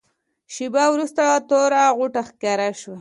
شېبه وروسته توره غوټه ښکاره شوه.